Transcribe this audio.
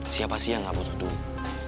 siapa sih yang gak butuh duit